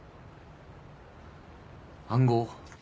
暗号。